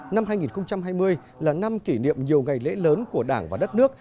năm hai nghìn hai mươi là năm kỷ niệm nhiều ngày lễ lớn của đảng và đất nước